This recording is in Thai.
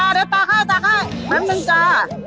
เอ้อเดี๋ยวป่าข้าวแป๊บนึงจ้า